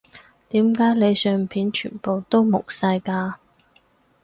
點解你相片全部都矇晒㗎